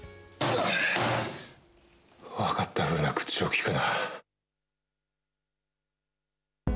分かったふうな口をきくな。